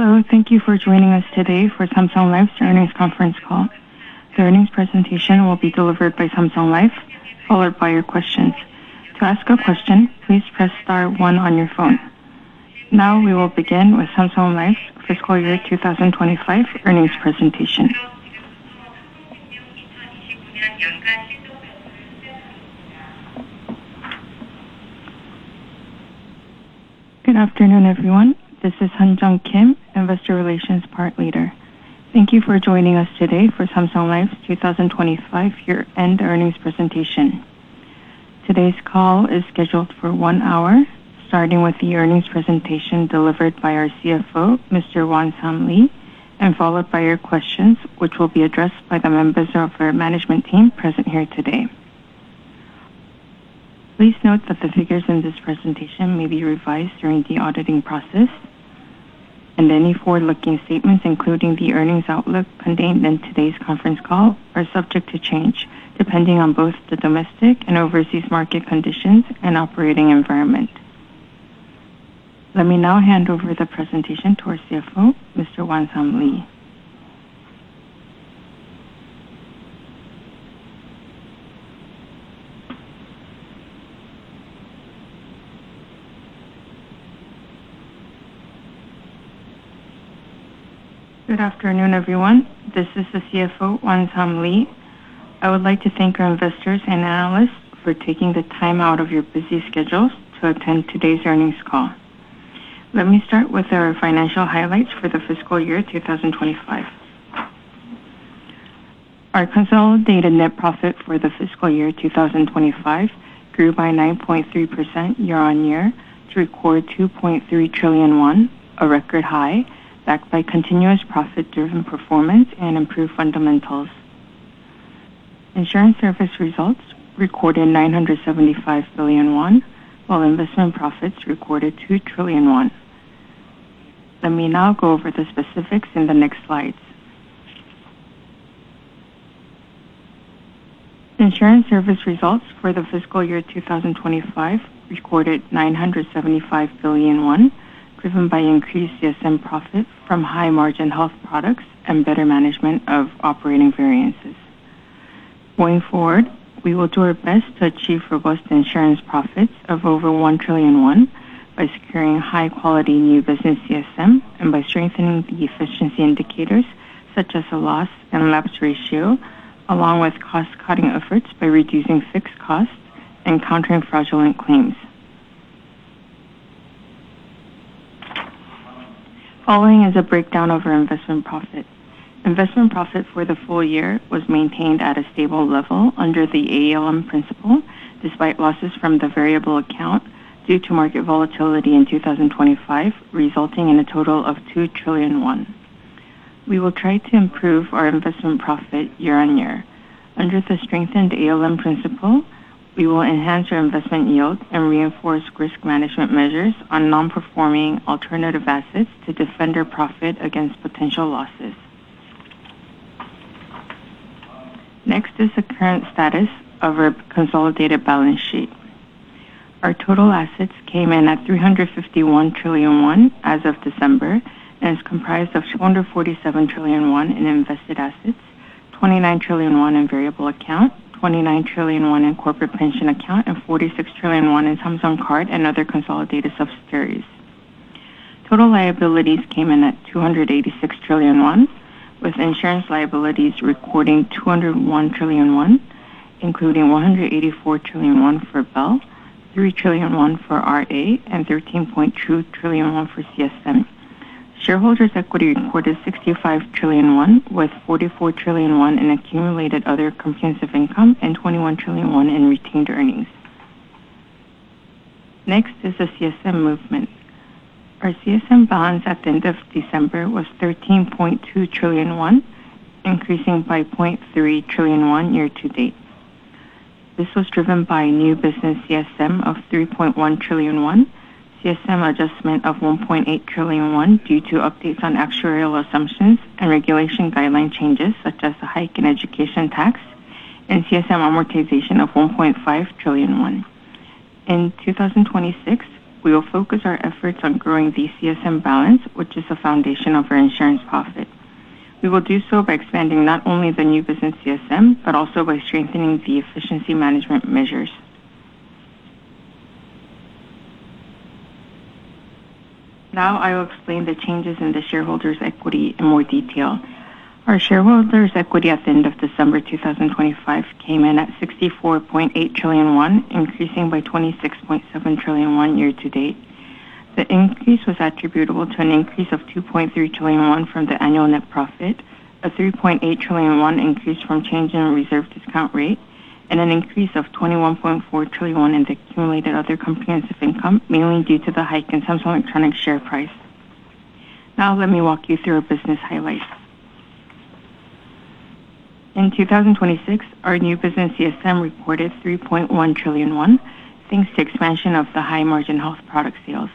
Hello, thank you for joining us today for Samsung Life's earnings conference call. The earnings presentation will be delivered by Samsung Life, followed by your questions. To ask a question, please press star one on your phone. Now we will begin with Samsung Life fiscal year 2025 earnings presentation. Good afternoon, everyone. This is Sunjung Kim, Investor Relations Part Leader. Thank you for joining us today for Samsung Life's 2025 year-end earnings presentation. Today's call is scheduled for one hour, starting with the earnings presentation delivered by our CFO, Mr. Wan-sam Lee, and followed by your questions, which will be addressed by the members of our management team present here today. Please note that the figures in this presentation may be revised during the auditing process, and any forward-looking statements, including the earnings outlook contained in today's conference call, are subject to change, depending on both the domestic and overseas market conditions and operating environment. Let me now hand over the presentation to our CFO, Mr. Wan-sam Lee. Good afternoon, everyone. This is the CFO, Wan-sam Lee. I would like to thank our investors and analysts for taking the time out of your busy schedules to attend today's earnings call. Let me start with our financial highlights for the fiscal year 2025. Our consolidated net profit for the fiscal year 2025 grew by 9.3% year-on-year to record 2.3 trillion won, a record high, backed by continuous profit-driven performance and improved fundamentals. Insurance service results recorded 975 billion won, while investment profits recorded 2 trillion won. Let me now go over the specifics in the next slides. Insurance service results for the fiscal year 2025 recorded 975 billion won, driven by increased CSM profits from high-margin health products and better management of operating variances. Going forward, we will do our best to achieve robust insurance profits of over 1 trillion won by securing high-quality new business CSM and by strengthening the efficiency indicators, such as the loss and lapse ratio, along with cost-cutting efforts by reducing fixed costs and countering fraudulent claims. Following is a breakdown of our investment profit. Investment profit for the full year was maintained at a stable level under the ALM principle, despite losses from the variable account due to market volatility in 2025, resulting in a total of 2 trillion won. We will try to improve our investment profit year on year. Under the strengthened ALM principle, we will enhance our investment yield and reinforce risk management measures on non-performing alternative assets to defend our profit against potential losses. Next is the current status of our consolidated balance sheet. Our total assets came in at 351 trillion won as of December, and is comprised of 247 trillion won in invested assets, 29 trillion won in variable account, 29 trillion won in corporate pension account, and 46 trillion won in Samsung Card and other consolidated subsidiaries. Total liabilities came in at 286 trillion won, with insurance liabilities recording 201 trillion won, including 184 trillion won for BEL, 3 trillion won for RA, and 13.2 trillion won for CSM. Shareholders' equity recorded 65 trillion won, with 44 trillion won in accumulated other comprehensive income and 21 trillion won in retained earnings. Next is the CSM movement. Our CSM balance at the end of December was 13.2 trillion, increasing by 0.3 trillion year to date. This was driven by new business CSM of 3.1 trillion, CSM adjustment of 1.8 trillion due to updates on actuarial assumptions and regulation guideline changes, such as the hike in education tax and CSM amortization of 1.5 trillion won. In 2026, we will focus our efforts on growing the CSM balance, which is the foundation of our insurance profit. We will do so by expanding not only the new business CSM, but also by strengthening the efficiency management measures. Now I will explain the changes in the shareholders' equity in more detail. Our shareholders' equity at the end of December 2025 came in at 64.8 trillion won, increasing by 26.7 trillion won year to date. The increase was attributable to an increase of 2.3 trillion won from the annual net profit, a 3.8 trillion won increase from change in reserve discount rate, and an increase of 21.4 trillion won in the accumulated other comprehensive income, mainly due to the hike in Samsung Electronics share price. Now let me walk you through our business highlights. In 2026, our new business CSM reported 3.1 trillion, thanks to expansion of the high-margin health product sales.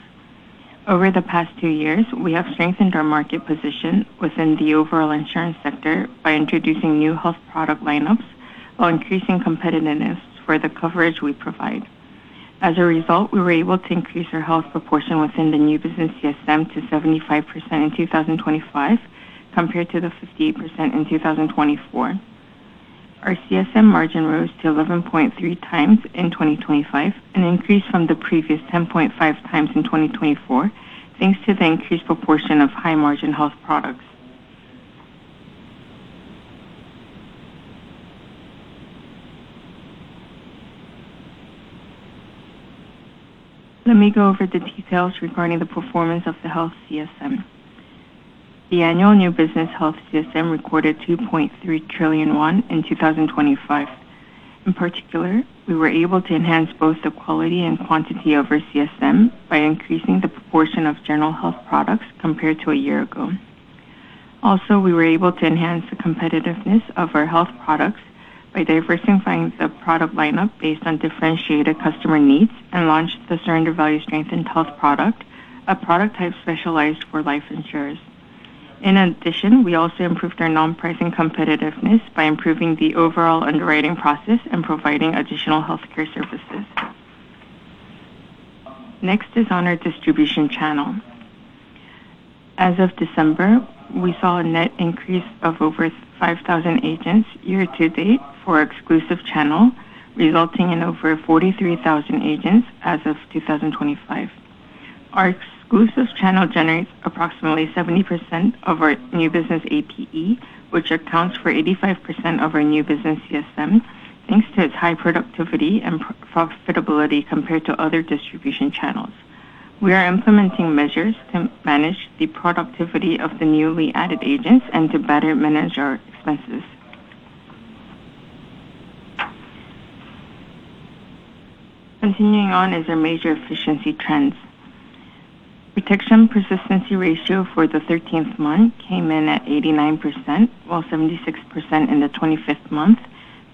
Over the past two years, we have strengthened our market position within the overall insurance sector by introducing new health product lineups, while increasing competitiveness for the coverage we provide. As a result, we were able to increase our health proportion within the new business CSM to 75% in 2025, compared to the 58% in 2024. Our CSM margin rose to 11.3x in 2025, an increase from the previous 10.5x in 2024, thanks to the increased proportion of high-margin health products. Let me go over the details regarding the performance of the health CSM. The annual new business health CSM recorded 2.3 trillion won in 2025. In particular, we were able to enhance both the quality and quantity of our CSM by increasing the proportion of general health products compared to a year ago. Also, we were able to enhance the competitiveness of our health products by diversifying the product lineup based on differentiated customer needs and launched the surrender value strengthened health product, a product type specialized for life insurers. In addition, we also improved our non-pricing competitiveness by improving the overall underwriting process and providing additional healthcare services. Next is on our distribution channel. As of December, we saw a net increase of over 5,000 agents year to date for exclusive channel, resulting in over 43,000 agents as of 2025. Our exclusive channel generates approximately 70% of our new business APE, which accounts for 85% of our new business CSM, thanks to its high productivity and profitability compared to other distribution channels. We are implementing measures to manage the productivity of the newly added agents and to better manage our expenses. Continuing on is our major efficiency trends. Protection persistency ratio for the 13th month came in at 89%, while 76% in the 25th month,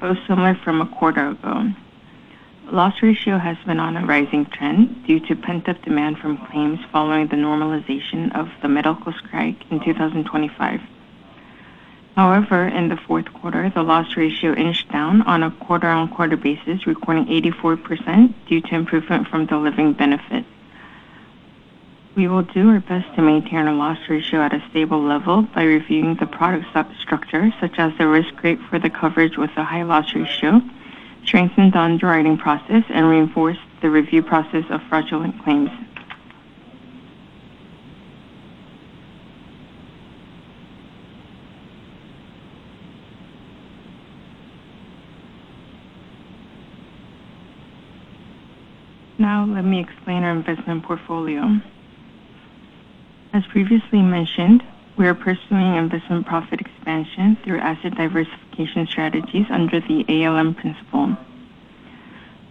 both similar from a quarter ago. Loss ratio has been on a rising trend due to pent-up demand from claims following the normalization of the medical strike in 2025. However, in the fourth quarter, the loss ratio finished down on a quarter-on-quarter basis, recording 84% due to improvement from the living benefit. We will do our best to maintain a loss ratio at a stable level by reviewing the product structure, such as the risk rate for the coverage with a high loss ratio, strengthen the underwriting process, and reinforce the review process of fraudulent claims. Now let me explain our investment portfolio. As previously mentioned, we are pursuing investment profit expansion through asset diversification strategies under the ALM principle.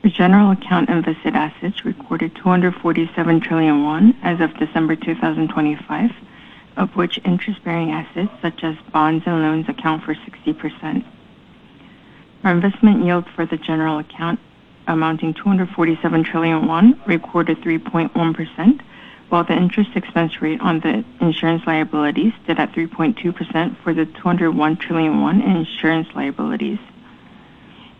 The general account invested assets recorded 247 trillion won as of December 2025, of which interest-bearing assets such as bonds and loans account for 60%. Our investment yield for the general account, amounting 247 trillion won, recorded 3.1%, while the interest expense rate on the insurance liabilities stood at 3.2% for the 201 trillion in insurance liabilities.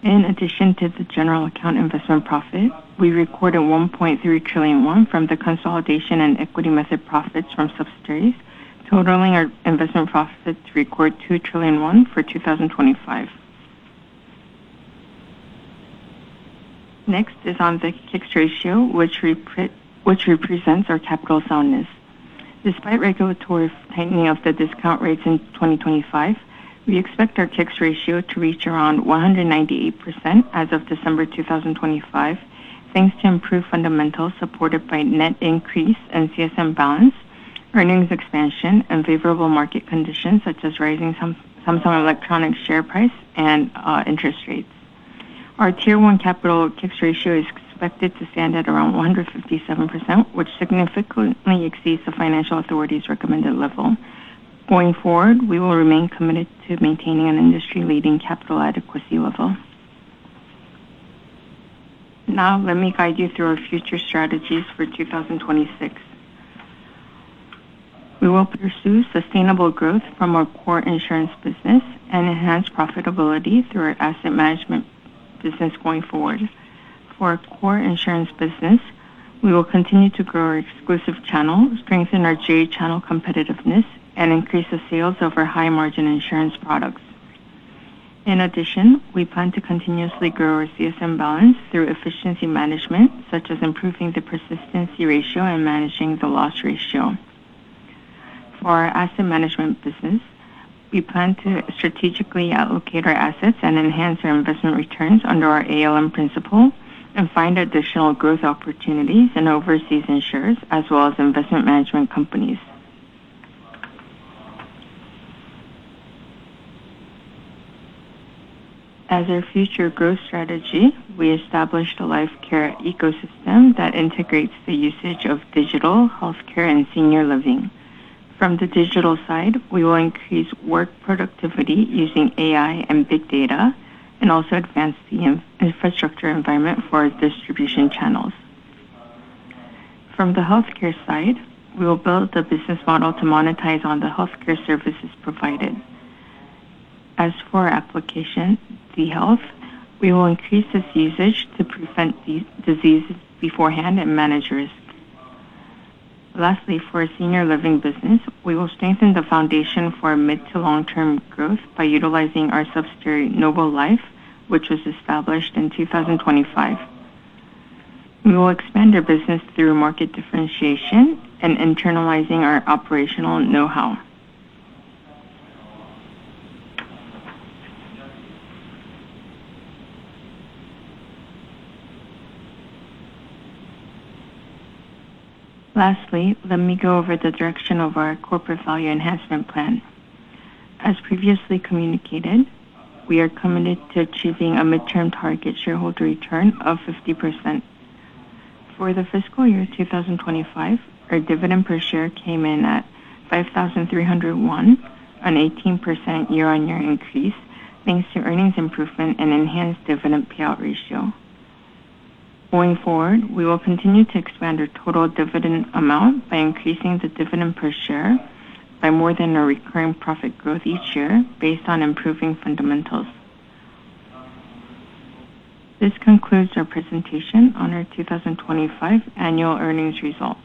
In addition to the general account investment profit, we recorded 1.3 trillion won from the consolidation and equity method profits from subsidiaries, totaling our investment profits to record 2 trillion for 2025. Next is on the K-ICS, which represents our capital soundness. Despite regulatory tightening of the discount rates in 2025, we expect our K-ICS ratio to reach around 198% as of December 2025, thanks to improved fundamentals supported by net increase in CSM balance, earnings expansion, and favorable market conditions, such as raising some Samsung Electronics share price and interest rates. Our Tier 1 capital K-ICS is expected to stand at around 157%, which significantly exceeds the financial authority's recommended level. Going forward, we will remain committed to maintaining an industry-leading capital adequacy level. Now let me guide you through our future strategies for 2026. We will pursue sustainable growth from our core insurance business and enhance profitability through our asset management business going forward. For our core insurance business, we will continue to grow our exclusive channel, strengthen our GA channel competitiveness, and increase the sales of our high-margin insurance products. In addition, we plan to continuously grow our CSM balance through efficiency management, such as improving the persistency ratio and managing the loss ratio. For our asset management business, we plan to strategically allocate our assets and enhance our investment returns under our ALM principle and find additional growth opportunities in overseas insurers, as well as investment management companies. As our future growth strategy, we established a life care ecosystem that integrates the usage of digital healthcare and senior living. From the digital side, we will increase work productivity using AI and big data, and also advance the infrastructure environment for our distribution channels. From the healthcare side, we will build the business model to monetize on the healthcare services provided. As for our application, The Health, we will increase its usage to prevent these diseases beforehand and manage risk. Lastly, for senior living business, we will strengthen the foundation for mid to long-term growth by utilizing our subsidiary, Noble Life, which was established in 2025. We will expand our business through market differentiation and internalizing our operational know-how. Lastly, let me go over the direction of our corporate value enhancement plan. As previously communicated, we are committed to achieving a midterm target shareholder return of 50%. For the fiscal year 2025, our dividend per share came in at 5,300, an 18% year-on-year increase, thanks to earnings improvement and enhanced dividend payout ratio. Going forward, we will continue to expand our total dividend amount by increasing the dividend per share by more than our recurring profit growth each year based on improving fundamentals. This concludes our presentation on our 2025 annual earnings results.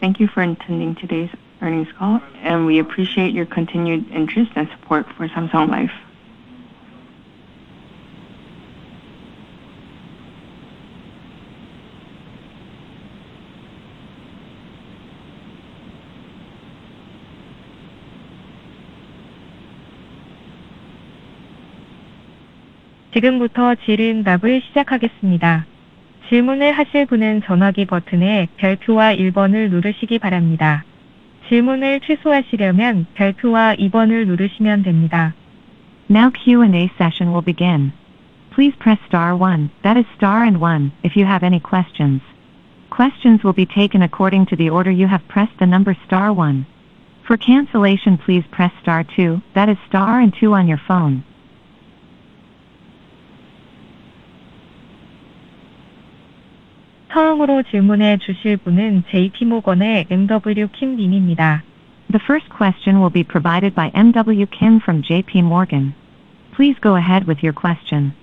Thank you for attending today's earnings call, and we appreciate your continued interest and support for Samsung Life. Now Q&A session will begin. Please press star one, that is star and one, if you have any questions. Questions will be taken according to the order you have pressed the number star one. For cancellation, please press star two, that is star and two on your phone. The first question will be provided by MW Kim from JPMorgan. Please go ahead with your question.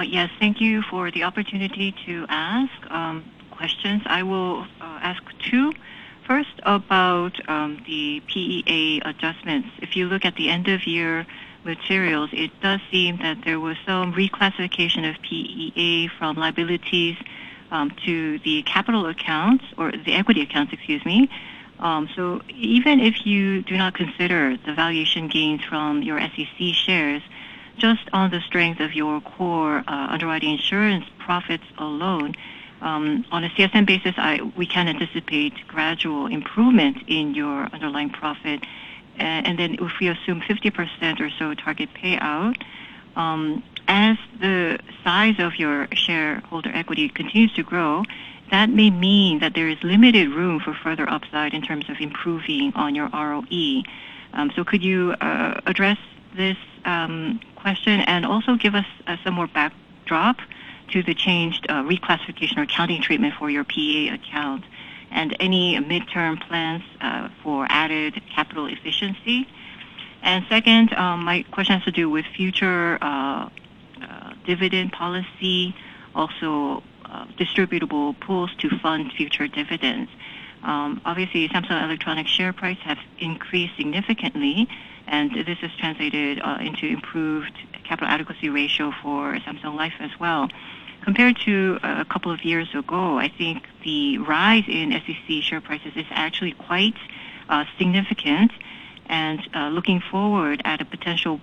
Yes, thank you for the opportunity to ask questions. I will ask two. First, about the PEA adjustments. If you look at the end of year materials, it does seem that there was some reclassification of PEA from liabilities to the capital accounts or the equity accounts, excuse me. So even if you do not consider the valuation gains from your SEC shares, just on the strength of your core underwriting insurance profits alone, on a CSM basis, we can anticipate gradual improvement in your underlying profit. And then if we assume 50% or so target payout, as the size of your shareholder equity continues to grow, that may mean that there is limited room for further upside in terms of improving on your ROE. So could you address this question? Also give us some more backdrop to the changed reclassification or accounting treatment for your PEA account, and any midterm plans for added capital efficiency. Second, my question has to do with future dividend policy, also distributable pools to fund future dividends. Obviously, Samsung Electronics share price has increased significantly, and this has translated into improved capital adequacy ratio for Samsung Life as well, compared to a couple of years ago, I think the rise in SEC share prices is actually quite significant. And looking forward at a potential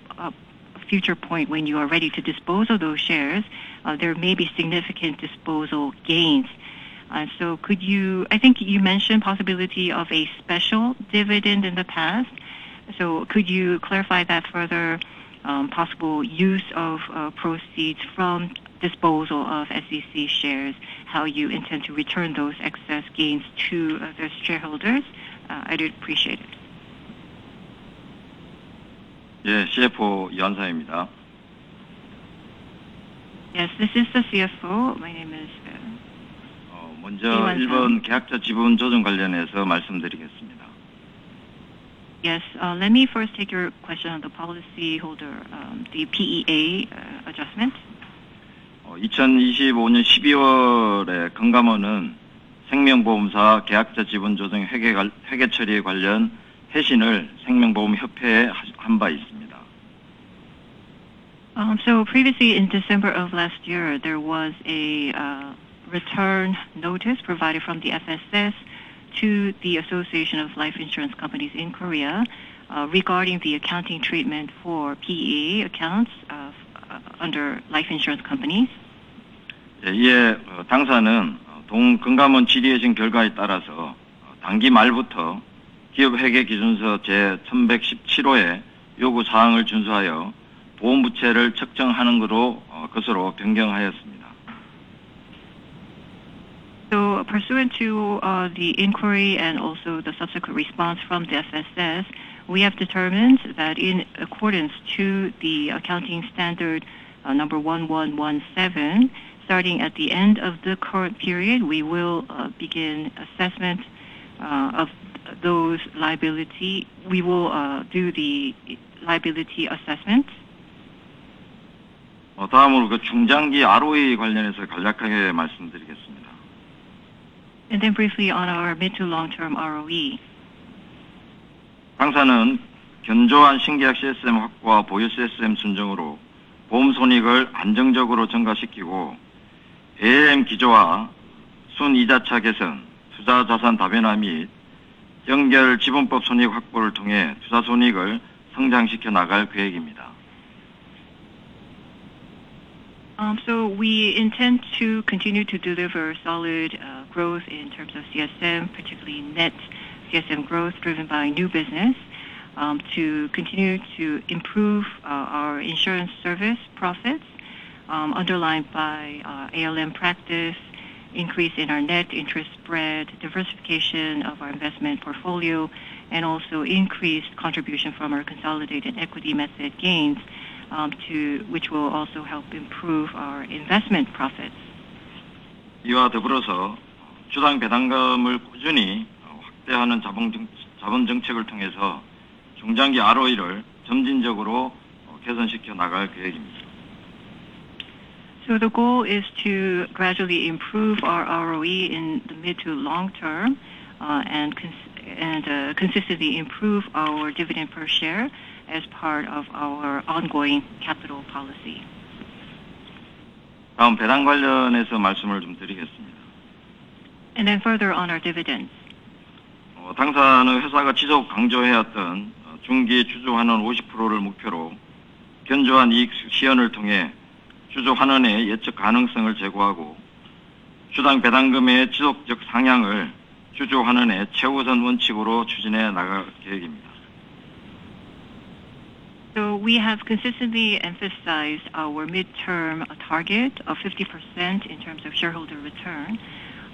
future point when you are ready to dispose of those shares, there may be significant disposal gains. So could you—I think you mentioned possibility of a special dividend in the past. So could you clarify that further, possible use of proceeds from disposal of SEC shares, how you intend to return those excess gains to the shareholders? I do appreciate it. 네, CFO입니다. Yes, this is the CFO. My name is Wan-sam. Yes, let me first take your question on the policyholder, the PEA adjustment. So previously in December of last year, there was a return notice provided from the FSS to the Association of Life Insurance Companies in Korea, regarding the accounting treatment for PEA accounts under life insurance companies. So pursuant to the inquiry and also the subsequent response from the FSS, we have determined that in accordance to the accounting standard number 1117, starting at the end of the current period, we will begin assessment of those liability. We will do the liability assessment. And then briefly on our mid to long-term ROE. So we intend to continue to deliver solid growth in terms of CSM, particularly net CSM growth, driven by new business. To continue to improve our insurance service profits, underlined by ALM practice, increase in our net interest spread, diversification of our investment portfolio, and also increased contribution from our consolidated equity method gains, to which will also help improve our investment profits. So the goal is to gradually improve our ROE in the mid to long term, and consistently improve our dividend per share as part of our ongoing capital policy. And then further on our dividends. We have consistently emphasized our midterm target of 50% in terms of shareholder return,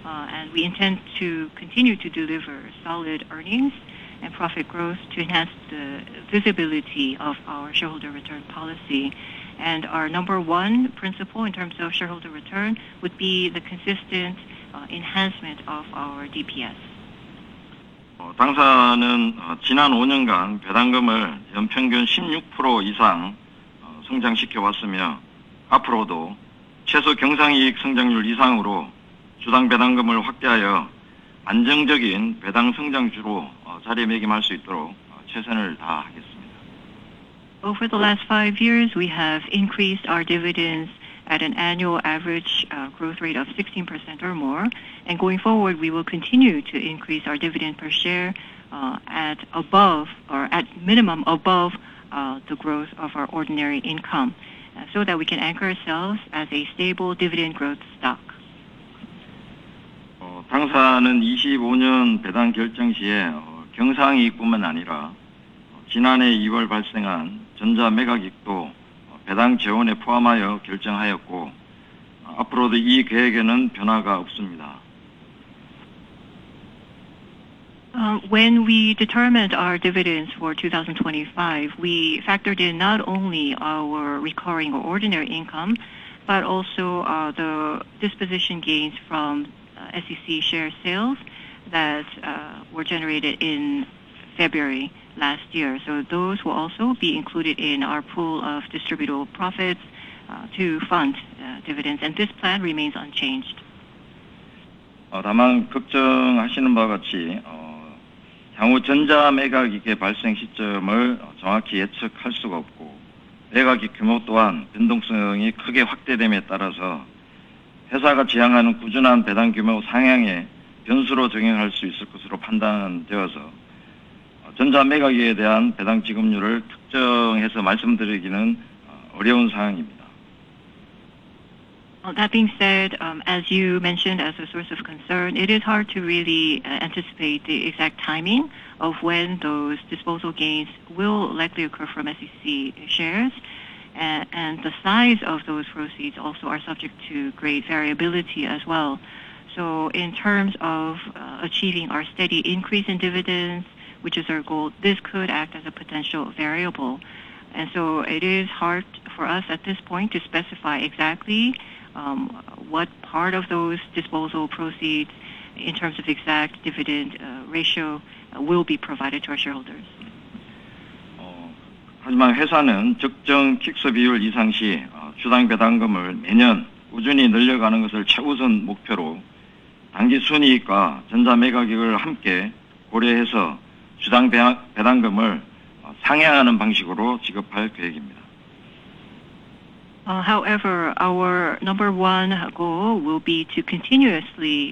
and we intend to continue to deliver solid earnings and profit growth to enhance the visibility of our shareholder return policy. Our number one principle in terms of shareholder return would be the consistent enhancement of our DPS. Over the last five years, we have increased our dividends at an annual average growth rate of 16% or more, and going forward, we will continue to increase our dividend per share at above or at minimum above the growth of our ordinary income, so that we can anchor ourselves as a stable dividend growth stock. When we determined our dividends for 2025, we factored in not only our recurring or ordinary income, but also the disposition gains from SEC share sales that were generated in February last year. So those will also be included in our pool of distributable profits to fund dividends, and this plan remains unchanged. 다만 걱정하시는 바와 같이, 향후 전자매각이익의 발생 시점을 정확히 예측할 수가 없고, 매각의 규모 또한 변동성이 크게 확대됨에 따라서 회사가 지향하는 꾸준한 배당 규모 상향에 변수로 작용할 수 있을 것으로 판단되어서, 전자매각에 대한 배당 지급률을 특정해서 말씀드리기는 어려운 상황입니다. Well, that being said, as you mentioned, as a source of concern, it is hard to really anticipate the exact timing of when those disposal gains will likely occur from SEC shares. And the size of those proceeds also are subject to great variability as well. So in terms of achieving our steady increase in dividends, which is our goal, this could act as a potential variable. And so it is hard for us at this point to specify exactly what part of those disposal proceeds in terms of exact dividend ratio will be provided to our shareholders. 하지만 회사는 적정 KICS 비율 이상 시 주당 배당금을 매년 꾸준히 늘려가는 것을 최우선 목표로 당기순이익과 주식매각이익을 함께 고려해서 주당 배당금을 상향하는 방식으로 지급할 계획입니다. However, our number one goal will be to continuously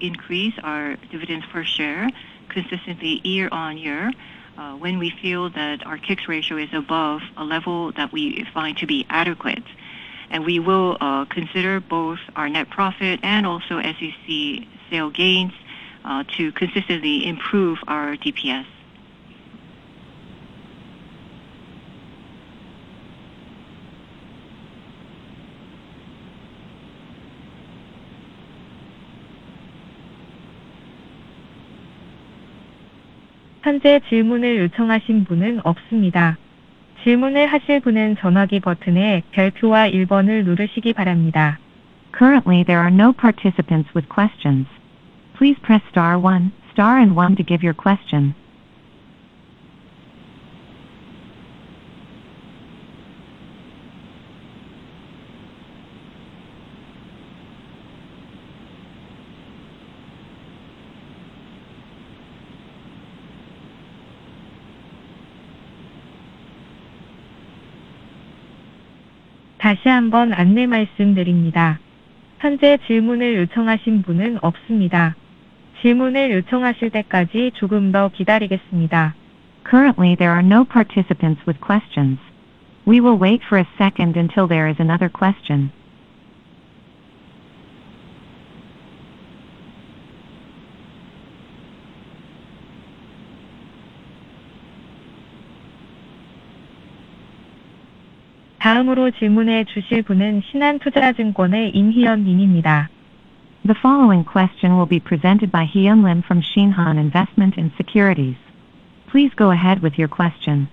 increase our dividends per share consistently year-on-year, when we feel that our K-ICS ratio is above a level that we find to be adequate. We will consider both our net profit and also SEC sale gains to consistently improve our DPS. 현재 질문을 요청하신 분은 없습니다. 질문을 하실 분은 전화기 버튼에 별표와 일번을 누르시기 바랍니다. Currently, there are no participants with questions. Please press star one... star and one to give your question. 다시 한번 안내 말씀드립니다. 현재 질문을 요청하신 분은 없습니다. 질문을 요청하실 때까지 조금 더 기다리겠습니다. Currently, there are no participants with questions. We will wait for a second until there is another question. 신한투자증권 임희연입니다 The following question will be presented by Lim Hee-yeon from Shinhan Investment and Securities. Please go ahead with your question.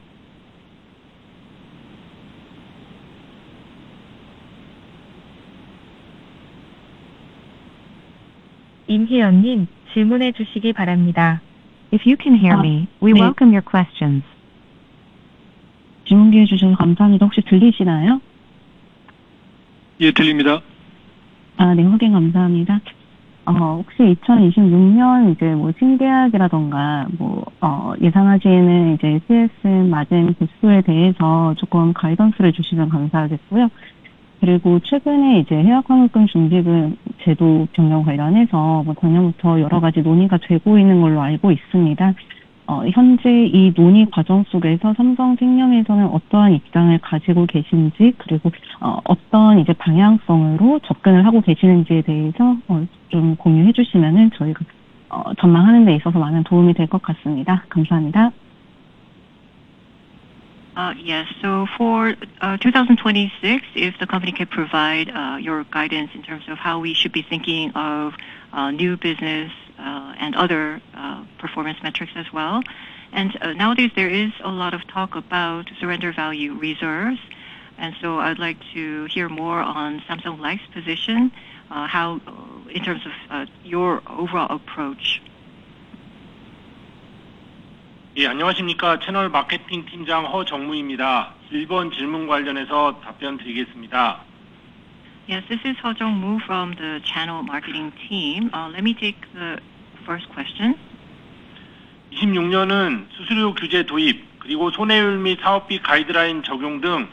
임씨, 질문 좀 해주세요 If you can hear me, we welcome your questions. 준비해 주셔서 감사합니다. 혹시 들리시나요? 예, 들립니다. 네. 확인 감사합니다. 혹시 2026년 이제 신계약이라던가, 예상하시는 CSM 마진 개수에 대해서 조금 가이던스를 주시면 감사하겠고요. 그리고 최근에 해약환급금 준비금 제도 변경 관련해서 작년부터 여러 가지 논의가 되고 있는 걸로 알고 있습니다. 현재 이 논의 과정 속에서 삼성생명에서는 어떠한 입장을 가지고 계신지, 그리고, 어떠한 방향성으로 접근을 하고 계시는지에 대해서 좀 공유해 주시면 저희가, 전망하는 데 있어서 많은 도움이 될것 같습니다. 감사합니다. Yes. So for 2026, if the company could provide your guidance in terms of how we should be thinking of new business and other performance metrics as well. And nowadays there is a lot of talk about surrender value reserves, and so I'd like to hear more on Samsung Life's position, how in terms of your overall approach. 예, 안녕하십니까? 채널 마케팅 팀장 허정무입니다. 일번 질문 관련해서 답변드리겠습니다. Yes, this is Huh Jung-moo from the channel marketing team. Let me take the first question. 2026년은 수수료 규제 도입 그리고 손해율 및 사업비 가이드라인 적용 등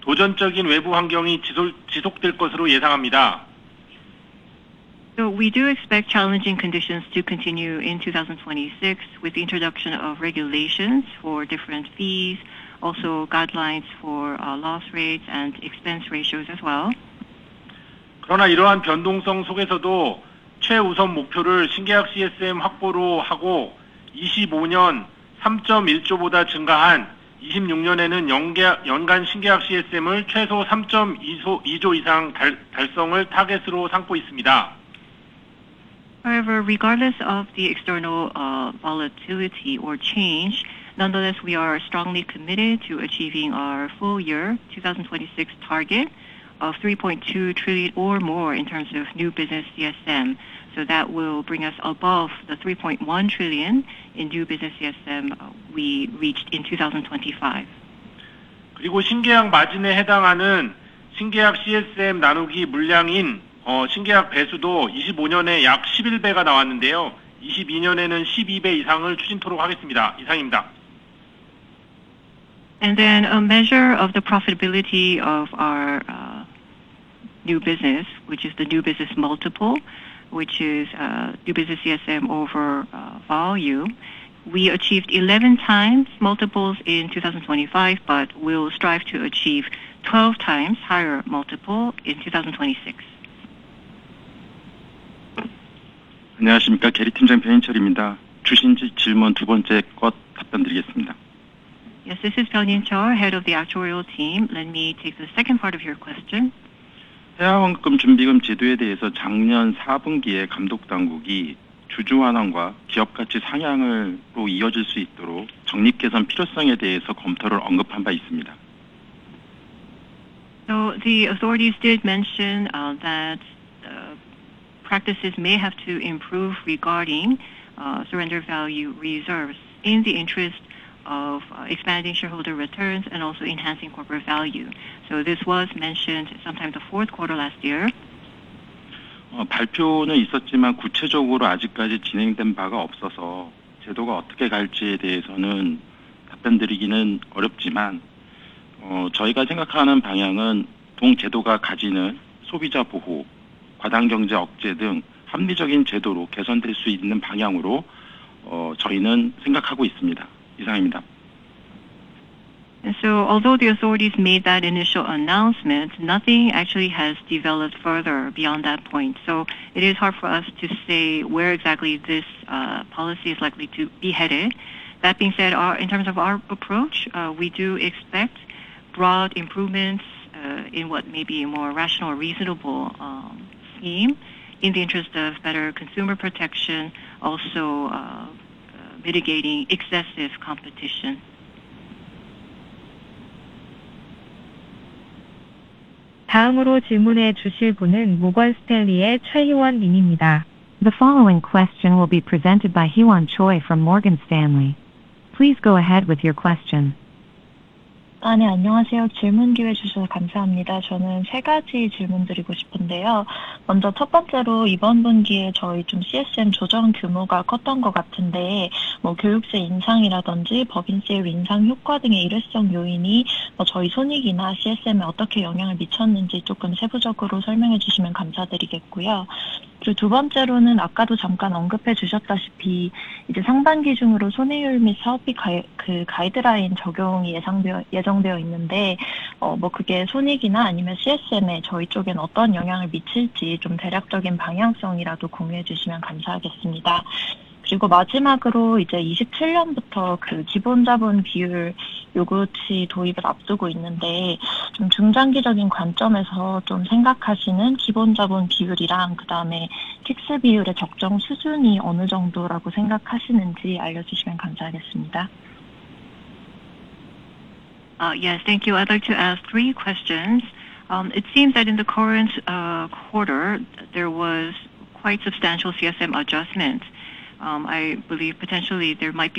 도전적인 외부 환경이 지속될 것으로 예상합니다. So we do expect challenging conditions to continue in 2026, with the introduction of regulations for different fees, also guidelines for loss rates and expense ratios as well. 그러나 이러한 변동성 속에서도 최우선 목표를 신계약 CSM 확보로 하고, 2025년 3.1조보다 증가한 2026년에는 연계약- 연간 신계약 CSM을 최소 3.2조, 2조 이상 달성을 타겟으로 삼고 있습니다. However, regardless of the external volatility or change, nonetheless, we are strongly committed to achieving our full year 2026 target of 3.2 trillion or more in terms of new business CSM. So that will bring us above the 3.1 trillion in new business CSM we reached in 2025. 그리고 신계약 마진에 해당하는 신계약 CSM 나누기 물량인, 신계약 배수도 2020년에 약 11배가 나왔는데요. 2022년에는 12배 이상을 추진토록 하겠습니다. 이상입니다. Then a measure of the profitability of our new business, which is the new business multiple, which is new business CSM over volume. We achieved 11x multiples in 2025, but we will strive to achieve 12x higher multiple in 2026. 안녕하십니까? 계리 팀장 변인철입니다. 주신 질문 두 번째 것 답변드리겠습니다. Yes, this is Byun In-cheol, Head of the Actuarial Team. Let me take the second part of your question. 해외 완급 준비금 제도에 대해서 작년 사분기에 감독당국이 주주환원과 기업가치 상향으로 이어질 수 있도록 적립 개선 필요성에 대해서 검토를 언급한 바 있습니다. The authorities did mention that practices may have to improve regarding surrender value reserves in the interest of expanding shareholder returns and also enhancing corporate value. This was mentioned sometime the fourth quarter last year. 발표는 있었지만 구체적으로 아직까지 진행된 바가 없어서 제도가 어떻게 갈지에 대해서는 답변드리기는 어렵지만, 저희가 생각하는 방향은 동 제도가 가지는 소비자 보호, 과당 경제 억제 등 합리적인 제도로 개선될 수 있는 방향으로, 저희는 생각하고 있습니다. 이상입니다. Although the authorities made that initial announcement, nothing actually has developed further beyond that point. It is hard for us to say where exactly this policy is likely to be headed. That being said, in terms of our approach, we do expect broad improvements in what may be a more rational or reasonable scheme in the interest of better consumer protection, also mitigating excessive competition. 다음 질문은 모건스탠리 최희원 님입니다. The following question will be presented by Heewon Choi from Morgan Stanley. Please go ahead with your question. 네, 안녕하세요. 질문 기회 주셔서 감사합니다. 저는 세 가지 질문드리고 싶은데요. 먼저 첫 번째로, 이번 분기에 저희 좀 CSM 조정 규모가 컸던 것 같은데, 교육세 인상이라든지, 법인세 인상 효과 등의 일회성 요인이 저희 손익이나 CSM에 어떻게 영향을 미쳤는지 조금 세부적으로 설명해 주시면 감사드리겠고요. 두 번째로는 아까도 잠깐 언급해 주셨다시피, 이제 상반기 중으로 손해율 및 사업비 가이드라인 적용이 예정되어 있는데, 그게 손익이나 아니면 CSM에 저희 쪽엔 어떤 영향을 미칠지, 좀 대략적인 방향성이라도 공유해 주시면 감사하겠습니다. 마지막으로 이제 2027년부터 그 기본 자본 비율 요건 도입을 앞두고 있는데, 중장기적인 관점에서 생각하시는 기본 자본 비율이랑 그다음에 킥스 비율의 적정 수준이 어느 정도라고 생각하시는지 알려주시면 감사하겠습니다. Yes, thank you. I'd like to ask three questions. It seems that in the current quarter, there was quite substantial CSM adjustment. I believe potentially there might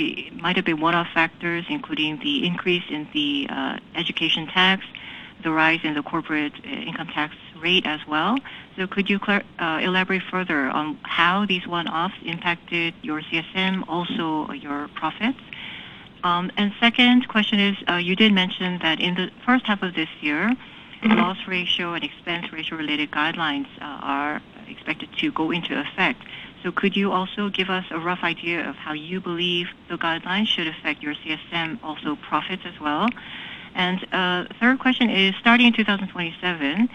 have been one-off factors, including the increase in the education tax, the rise in the corporate income tax rate as well. So could you elaborate further on how these one-offs impacted your CSM, also your profits? And second question is, you did mention that in the first half of this year, loss ratio and expense ratio related guidelines are expected to go into effect. So could you also give us a rough idea of how you believe the guidelines should affect your CSM, also profits as well? And third question is, starting in 2027,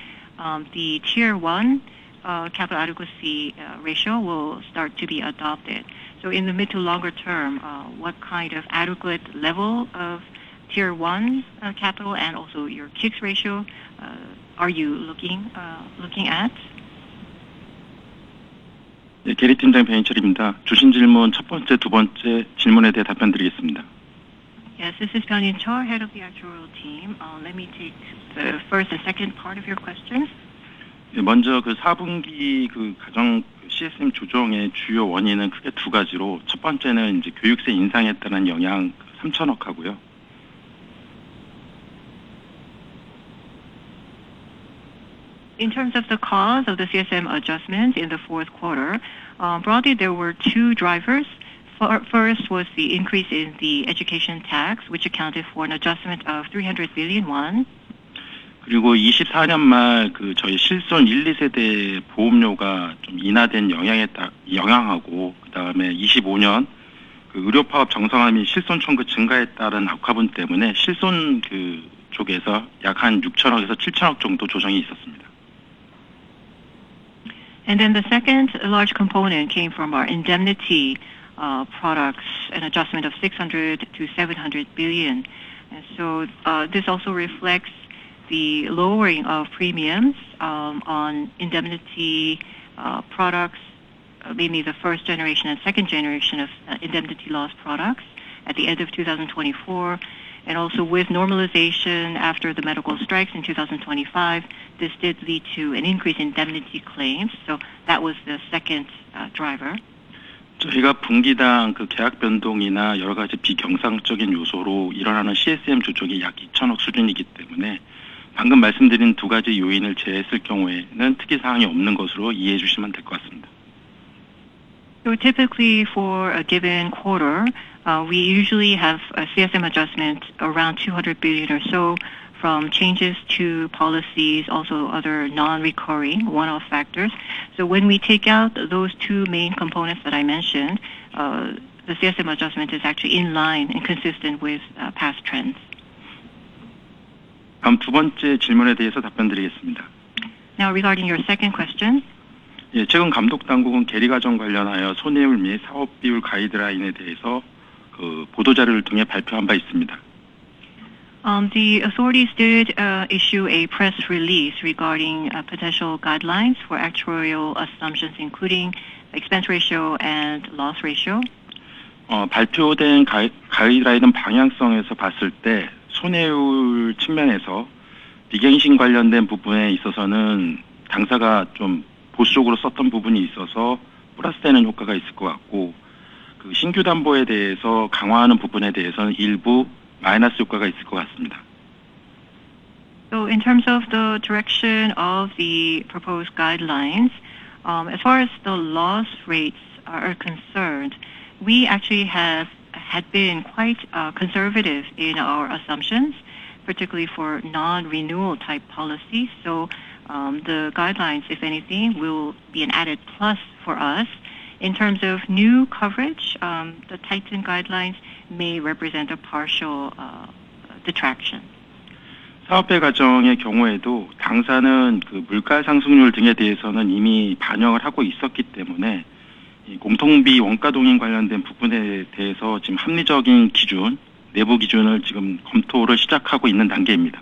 the Tier 1 capital adequacy ratio will start to be adopted. In the mid- to longer term, what kind of adequate level of Tier 1 capital and also your K-ICS ratio are you looking at? 네, 액추어리 팀장 변인철입니다. 주신 질문 첫 번째, 두 번째 질문에 대해 답변드리겠습니다. Yes, this is Byun In-cheol, Head of the Actuarial Team. Let me take the first and second part of your question. 네, 먼저 그 사분기, 가정 CSM 조정의 주요 원인은 크게 두 가지로, 첫 번째는 이제 교육세 인상에 따른 영향 300 billion 하고요. In terms of the cause of the CSM adjustment in the fourth quarter, broadly, there were two drivers. First was the increase in the education tax, which accounted for an adjustment of 300 billion won. 그리고 2024년 말, 저희 실손의료 세대 보험료가 좀 인하된 영향에 따라, 그리고 2025년, 의료 파업 정상화 및 실손 청구 증가에 따른 악화분 때문에 실손 쪽에서 약 KRW 600 billion-KRW 700 billion 정도 조정이 있었습니다. And then the second large component came from our indemnity products, an adjustment of 600 billion-700 billion. And so, this also reflects the lowering of premiums on indemnity products, mainly the first generation and second generation of indemnity loss products at the end of 2024, and also with normalization after the medical strikes in 2025, this did lead to an increase in indemnity claims. So that was the second driver. 저희가 분기당 그 계약 변동이나 여러 가지 비경상적인 요소로 일어나는 CSM 조정이 약 이천억 수준이기 때문에 방금 말씀드린 두 가지 요인을 제외했을 경우에는 특이사항이 없는 것으로 이해해 주시면 될것 같습니다. So typically for a given quarter, we usually have a CSM adjustment around 200 billion or so from changes to policies, also other non-recurring one-off factors. So when we take out those two main components that I mentioned, the CSM adjustment is actually in line and consistent with past trends. 다음, 두 번째 질문에 대해서 답변드리겠습니다. Now, regarding your second question. 예, 최근 감독 당국은 개리 과정 관련하여 손해율 및 사업 비율 가이드라인에 대해서, 그, 보도자료를 통해 발표한 바 있습니다. The authorities did issue a press release regarding potential guidelines for actuarial assumptions, including expense ratio and loss ratio. 발표된 가이드라인은 방향성에서 봤을 때 손해율 측면에서 비갱신 관련된 부분에 있어서는 당사가 좀 보수적으로 썼던 부분이 있어서 플러스 되는 효과가 있을 것 같고, 그, 신규 담보에 대해서 강화하는 부분에 대해서는 일부 마이너스 효과가 있을 것 같습니다. So in terms of the direction of the proposed guidelines, as far as the loss rates are concerned, we actually have had been quite, conservative in our assumptions, particularly for non-renewal type policies. So, the guidelines, if anything, will be an added plus for us. In terms of new coverage, the tightened guidelines may represent a partial, detraction. 사업비 과정의 경우에도 당사는 그 물가 상승률 등에 대해서는 이미 반영을 하고 있었기 때문에, 이, 공통비 원가 동인 관련된 부분에 대해서 지금 합리적인 기준, 내부 기준을 지금 검토를 시작하고 있는 단계입니다.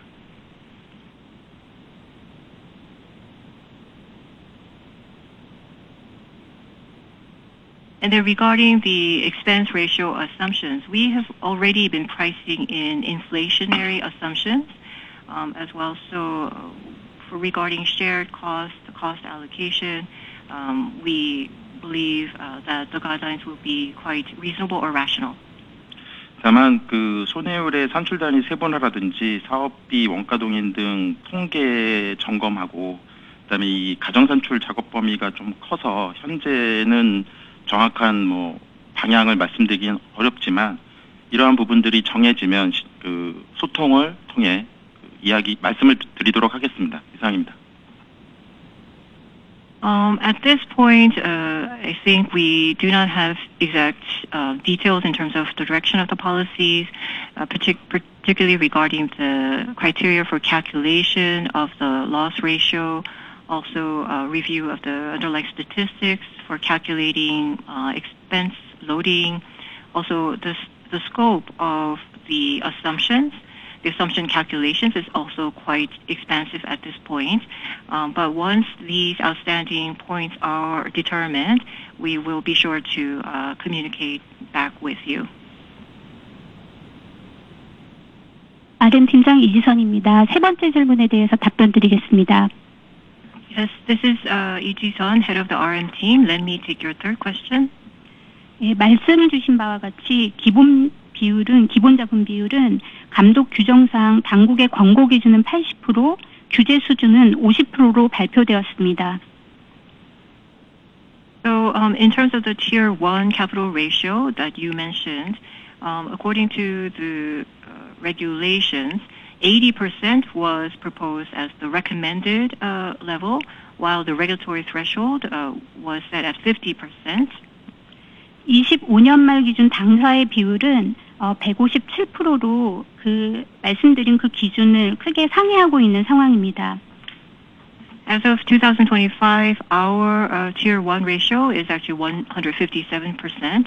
And then regarding the expense ratio assumptions, we have already been pricing in inflationary assumptions, as well. So for regarding shared cost, cost allocation, we believe, that the guidelines will be quite reasonable or rational. At this point, I think we do not have exact details in terms of the direction of the policies, particularly regarding the criteria for calculation of the loss ratio. Also, review of the underlying statistics for calculating expense loading. Also, the scope of the assumptions, the assumption calculations is also quite expansive at this point. But once these outstanding points are determined, we will be sure to communicate back with you. RM 팀장 이지선입니다. 세 번째 질문에 대해서 답변드리겠습니다. Yes, this is, Yi Ji-sun, Head of the RM team. Let me take your third question. 예, 말씀을 주신 바와 같이 기본 비율은, 기본 자본 비율은 감독 규정상 당국의 권고 기준은 80%, 규제 수준은 50%로 발표되었습니다. So, in terms of the Tier 1 capital ratio that you mentioned, according to the regulations, 80% was proposed as the recommended level, while the regulatory threshold was set at 50%. 25년 말 기준 당사의 비율은, 157%로, 말씀드린 그 기준을 크게 상회하고 있는 상황입니다. As of 2025, our Tier 1 ratio is actually 157%,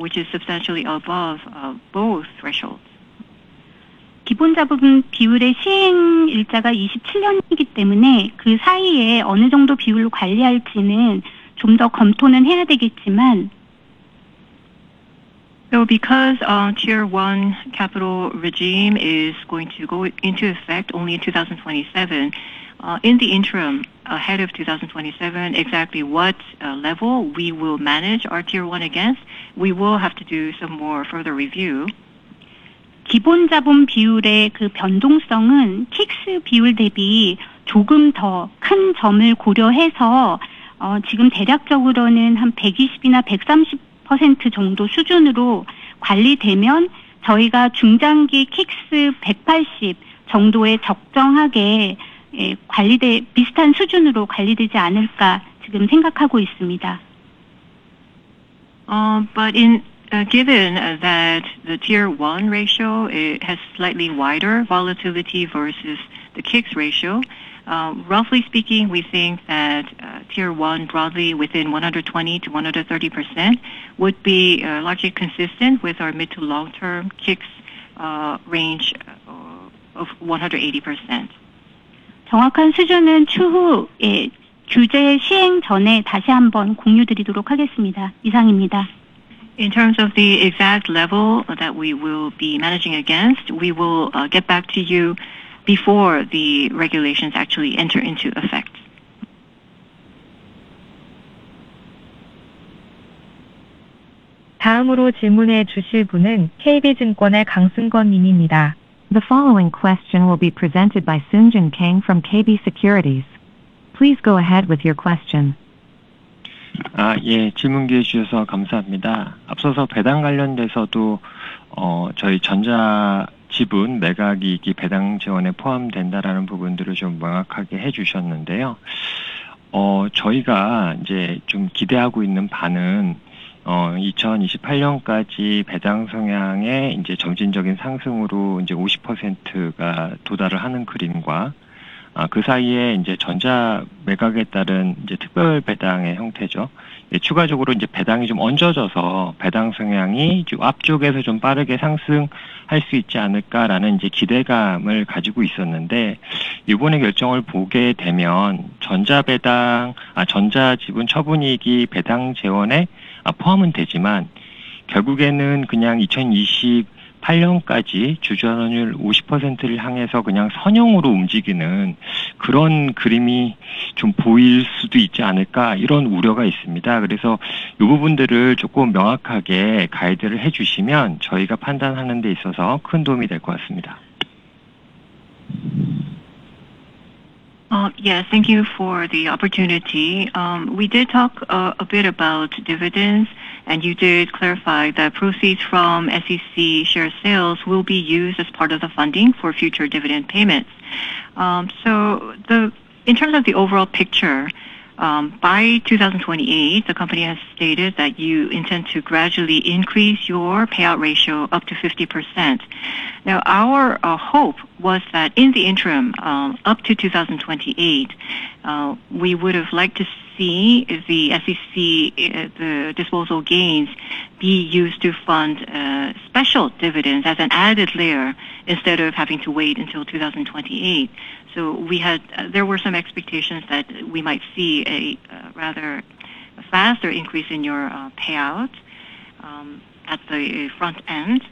which is substantially above both thresholds. 기본 자본 비율의 시행 일자가 2027년이기 때문에 그 사이에 어느 정도 비율로 관리할지는 좀더 검토는 해야 되겠지만. So, because Tier 1 capital regime is going to go into effect only in 2027, in the interim, ahead of 2027, exactly what level we will manage our Tier 1 against, we will have to do some more further review. 기본 자본 비율의 그 변동성은 킥스 비율 대비 조금 더큰 점을 고려해서, 지금 대략적으로는 120이나 130% 정도 수준으로 관리되면 저희가 중장기 킥스 180 정도에 적정하게, 관리되 비슷한 수준으로 관리되지 않을까 지금 생각하고 있습니다. But, in given that the Tier 1 ratio, it has slightly wider volatility versus the K-ICS ratio, roughly speaking, we think that, Tier 1 broadly within 120%-130% would be, largely consistent with our mid- to long-term K-ICS range of 180%. 정확한 수준은 추후, 규제 시행 전에 다시 한번 공유드리도록 하겠습니다. 이상입니다. In terms of the exact level that we will be managing against, we will get back to you before the regulations actually enter into effect. The following question will be presented by Seung-Gun Kang from KB Securities. Please go ahead with your question. Uh, yeah. Yes, thank you for the opportunity. We did talk a bit about dividends, and you did clarify that proceeds from SEC share sales will be used as part of the funding for future dividend payments. So, in terms of the overall picture, by 2028, the company has stated that you intend to gradually increase your payout ratio up to 50%. Now, our hope was that in the interim, up to 2028, we would have liked to see the SEC, the disposal gains, be used to fund special dividends as an added layer, instead of having to wait until 2028. So, there were some expectations that we might see a rather faster increase in your payout at the front end.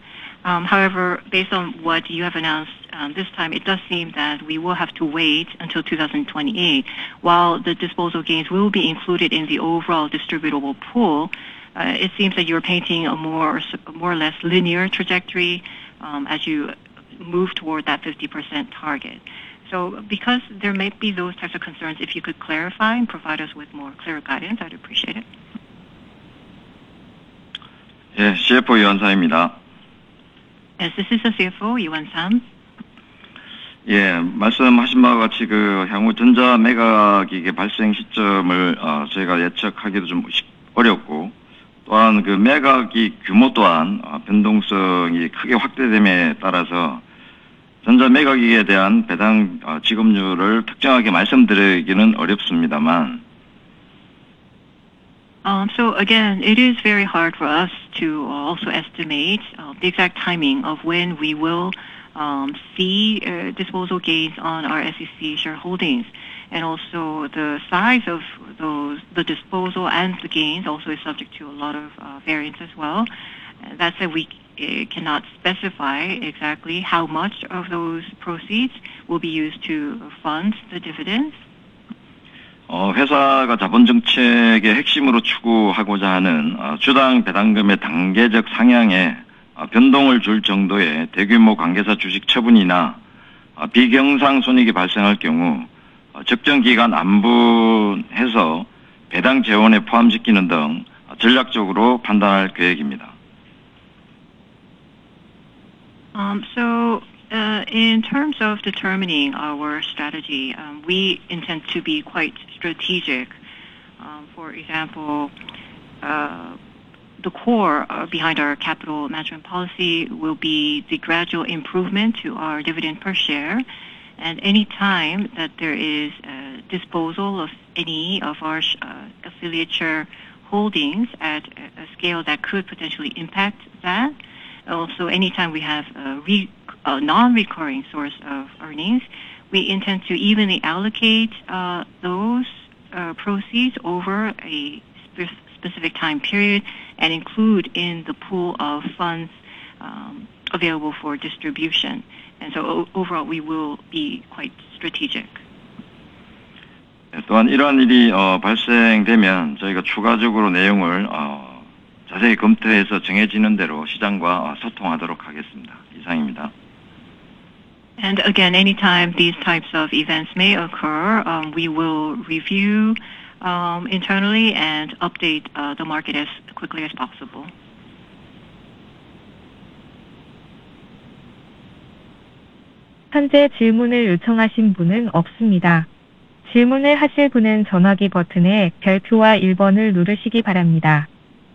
However, based on what you have announced, this time, it does seem that we will have to wait until 2028. While the disposal gains will be included in the overall distributable pool, it seems that you're painting a more or less linear trajectory, as you move toward that 50% target. So because there may be those types of concerns, if you could clarify and provide us with more clear guidance, I'd appreciate it. 네, CFO 이완삼입니다. Yes, this is the CFO, Lee Wan-sam. So again, it is very hard for us to also estimate the exact timing of when we will see disposal gains on our SEC shareholdings. And also, the size of those, the disposal and the gains also is subject to a lot of variance as well. That said, we cannot specify exactly how much of those proceeds will be used to fund the dividends. So, in terms of determining our strategy, we intend to be quite strategic. For example, the core behind our capital management policy will be the gradual improvement to our dividend per share. And any time that there is a disposal of any of our affiliate holdings at a scale that could potentially impact that, also, anytime we have a non-recurring source of earnings, we intend to evenly allocate those proceeds over a specific time period and include in the pool of funds available for distribution. And so overall, we will be quite strategic. Again, anytime these types of events may occur, we will review internally and update the market as quickly as possible.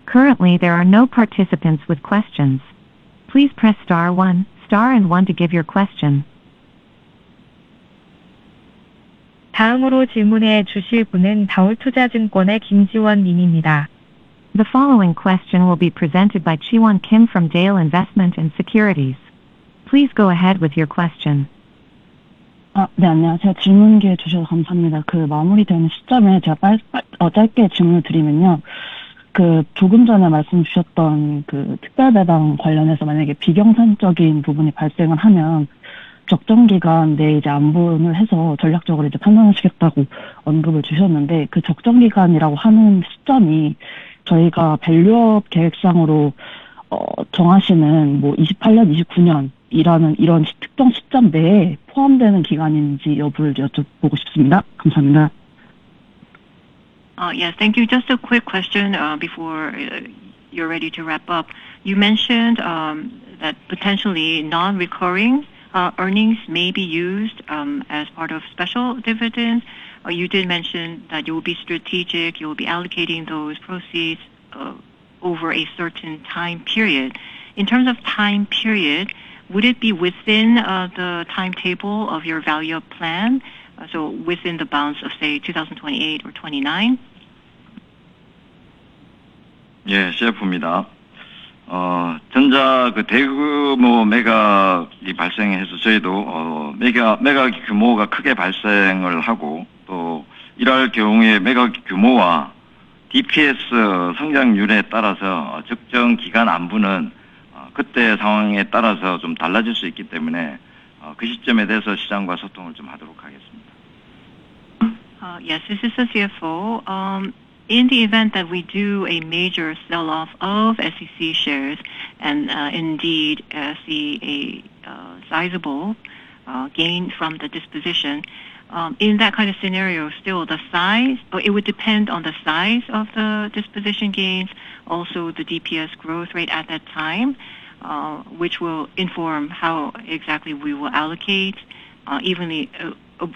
Currently, there are no participants with questions. Please press star one, star and one to give your question. The following question will be presented by Ji-won Kim from Daol Investment & Securities. Please go ahead with your question. 아, 네, 안녕하세요. 질문 기회 주셔서 감사합니다. 그 마무리 되는 시점에 제가 짧게 질문을 드리면요. 그 조금 전에 말씀 주셨던 그 특별배당 관련해서 만약에 비경산적인 부분이 발생을 하면 적정 기간 내에 이제 안분을 해서 전략적으로 이제 판단을 하겠다고 언급을 주셨는데, 그 적정 기간이라고 하는 시점이 저희가 밸류업 계획상으로, 정하시는 뭐 2028년, 2029년이라는 이런 특정 시점 내에 포함되는 기간인지 여부를 여쭤보고 싶습니다. 감사합니다. Yes, thank you. Just a quick question, before you're ready to wrap up. You mentioned that potentially non-recurring earnings may be used as part of special dividend. You did mention that you will be strategic, you will be allocating those proceeds over a certain time period. In terms of time period, would it be within the timetable of your Value-up plan? So within the bounds of, say, 2028 or 2029? 예, CFO입니다. 전자 그 대규모 매각이 발생해서 저희도 매각, 매각 규모가 크게 발생을 하고, 또 이럴 경우에 매각 규모와 DPS 성장률에 따라서 적정 기간 안분은, 그때 상황에 따라서 좀 달라질 수 있기 때문에, 그 시점에 대해서 시장과 소통을 좀 하도록 하겠습니다. Yes, this is the CFO. In the event that we do a major sell-off of SEC shares and, indeed, see a sizable gain from the disposition, in that kind of scenario, still the size, or it would depend on the size of the disposition gains, also the DPS growth rate at that time, which will inform how exactly we will allocate, evenly,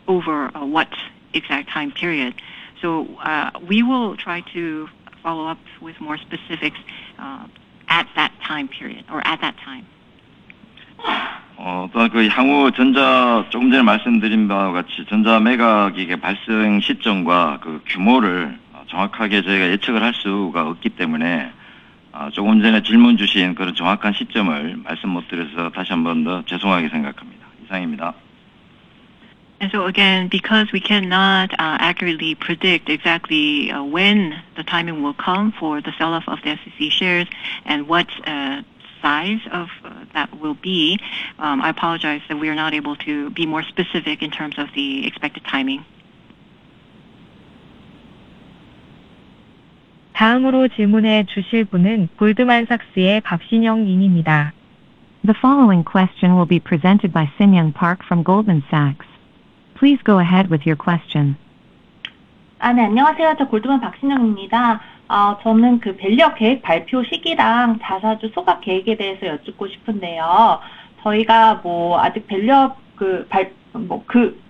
over what exact time period. So, we will try to follow up with more specifics, at that time period or at that time. 또그 향후 전자, 조금 전에 말씀드린 바와 같이 전자 매각이 발생 시점과 그 규모를 정확하게 저희가 예측을 할 수가 없기 때문에, 조금 전에 질문 주신 그런 정확한 시점을 말씀 못 드려서 다시 한번 더 죄송하게 생각합니다. 이상입니다. And so again, because we cannot accurately predict exactly when the timing will come for the sell-off of the SEC shares and what size of that will be, I apologize that we are not able to be more specific in terms of the expected timing. 질문은 골드만삭스 박신영입니다 The following question will be presented by Shin Yeong Park from Goldman Sachs. Please go ahead with your question. 안녕하세요. 저 골드만 박신영입니다. 저는 그 밸류업 계획 발표 시기랑 자사주 소각 계획에 대해서 여쭙고 싶은데요. 저희가 아직 밸류업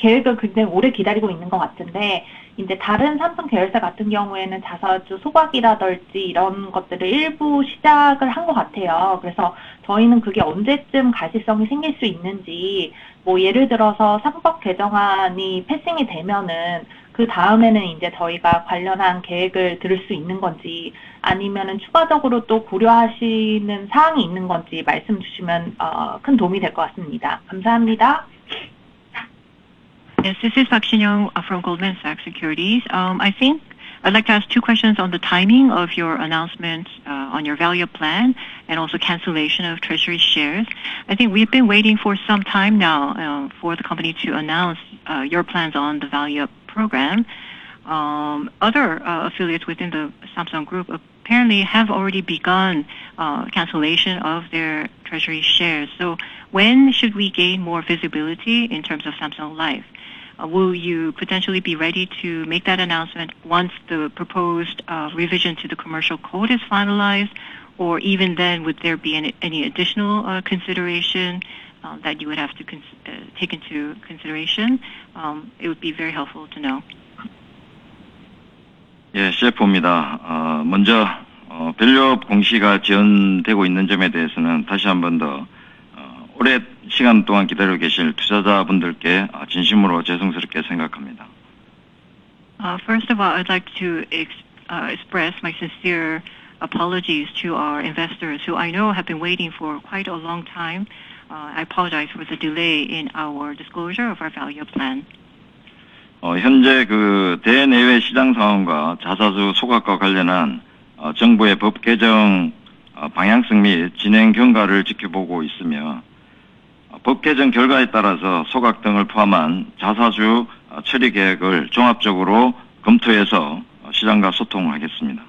계획을 굉장히 오래 기다리고 있는 것 같은데, 이제 다른 삼성 계열사 같은 경우에는 자사주 소각이라든지 이런 것들을 일부 시작을 한것 같아요. 그래서 저희는 그게 언제쯤 가시성이 생길 수 있는지, 예를 들어서 상법 개정안이 패싱이 되면은 그 다음에는 이제 저희가 관련한 계획을 들을 수 있는 건지, 아니면은 추가적으로 또 고려하시는 사항이 있는 건지 말씀해 주시면, 큰 도움이 될것 같습니다. 감사합니다. Yes, this is Park Shin Yeong from Goldman Sachs Securities. I think I'd like to ask two questions on the timing of your announcement, on your Value-up plan and also cancellation of treasury shares. I think we've been waiting for some time now, for the company to announce, your plans on the value program. Other, affiliates within the Samsung Group apparently have already begun, cancellation of their treasury shares. So when should we gain more visibility in terms of Samsung Life? Will you potentially be ready to make that announcement once the proposed, revision to the Commercial Code is finalized? Or even then, would there be any, any additional, consideration, that you would have to take into consideration? It would be very helpful to know. 예, CFO입니다. 먼저, 밸류업 공시가 지연되고 있는 점에 대해서는 다시 한번 더, 오래 시간 동안 기다려 주신 투자자분들께 진심으로 죄송스럽게 생각합니다. First of all, I'd like to express my sincere apologies to our investors, who I know have been waiting for quite a long time. I apologize for the delay in our disclosure of our Value-up plan. 현재 그 대내외 시장 상황과 자사주 소각과 관련한, 정부의 법 개정, 방향성 및 진행 경과를 지켜보고 있으며, 법 개정 결과에 따라서 소각 등을 포함한 자사주 처리 계획을 종합적으로 검토해서 시장과 소통하겠습니다.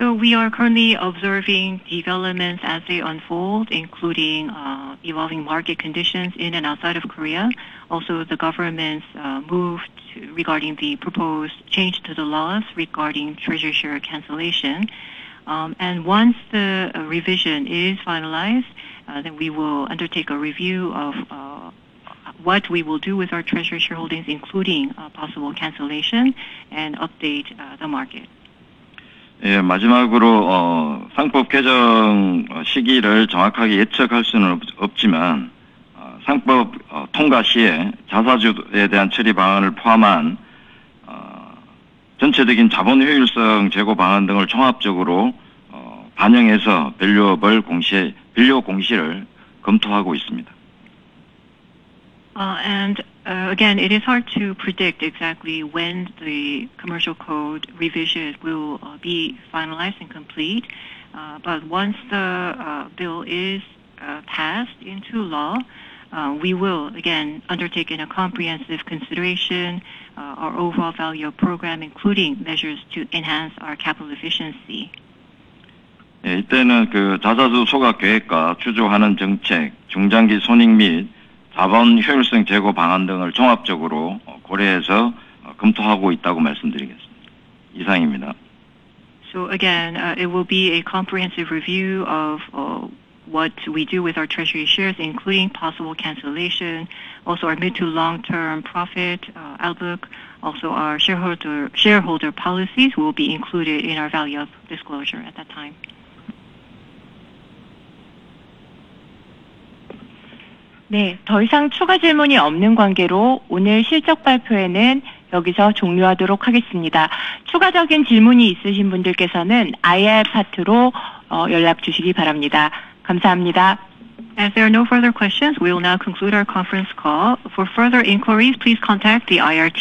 So we are currently observing developments as they unfold, including evolving market conditions in and outside of Korea. Also, the government's move to regarding the proposed change to the laws regarding treasury share cancellation. And once the revision is finalized, then we will undertake a review of what we will do with our treasury shareholdings, including possible cancellation and update the market. 예, 마지막으로, 상법 개정 시기를 정확하게 예측할 수는 없지만, 상법 통과 시에 자사주에 대한 처리 방안을 포함한 전체적인 자본 효율성 제고 방안 등을 종합적으로 반영해서 밸류업을 공시, 밸류업 공시를 검토하고 있습니다. And again, it is hard to predict exactly when the Commercial Code revision will be finalized and complete. But once the bill is passed into law, we will again undertake in a comprehensive consideration our overall value program, including measures to enhance our capital efficiency. 예, 이때는 그 자사주 소각 계획과 추후 하는 정책, 중장기 손익 및 자본 효율성 제고 방안 등을 종합적으로 고려해서 검토하고 있다고 말씀드리겠습니다. 이상입니다. So again, it will be a comprehensive review of what we do with our treasury shares, including possible cancellation. Also, our mid- to long-term profit outlook. Also, our shareholder policies will be included in our Value-up disclosure at that time. 네, 더 이상 추가 질문이 없는 관계로 오늘 실적 발표회는 여기서 종료하도록 하겠습니다. 추가적인 질문이 있으신 분들께서는 IR 파트로, 연락 주시기 바랍니다. 감사합니다. As there are no further questions, we will now conclude our conference call. For further inquiries, please contact the IR team.